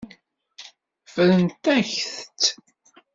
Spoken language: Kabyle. Ffrent-ak-tt.